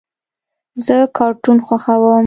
زه کارټون خوښوم.